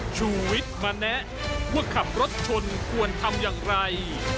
ชูวิทย์มาแนะว่าขับรถชนควรทำอย่างไร